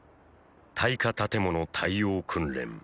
耐火建物対応訓練。